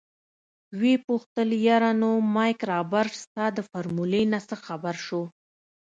ويې پوښتل يره نو مايک رابرټ ستا د فارمولې نه څه خبر شو.